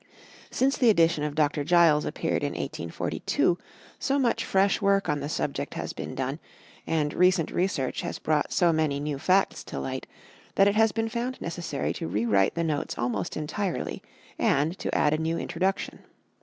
Since the edition of Dr. Giles appeared in 1842, so much fresh work on the subject has been done, and recent research has brought so many new facts to light, that it has been found necessary to rewrite the notes almost entirely, and to add a new introduction.